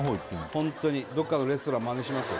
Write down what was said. ホントにどっかのレストランまねしますよ